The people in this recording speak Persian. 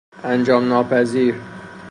انجام ناپذیر